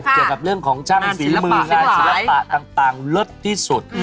เกี่ยวกับเรื่องของช่างฝีมืองานศิลปะต่างเลิศที่สุด